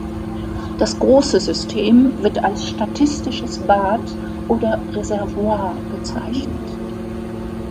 Das große System wird als "statistisches Bad" oder "Reservoir" bezeichnet.